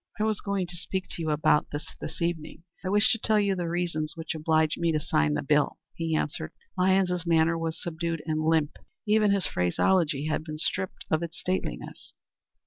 "I was going to speak to you about that this evening. I wish to tell you the reasons which oblige me to sign the bill," he answered. Lyons's manner was subdued and limp. Even his phraseology had been stripped of its stateliness.